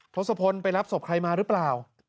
ทศพรรค์ไปรับศพใครมารึเปล่า